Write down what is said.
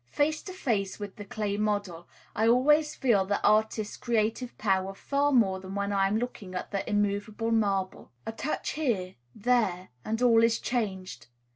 Face to face with the clay model, I always feel the artist's creative power far more than when I am looking at the immovable marble. A touch here there and all is changed.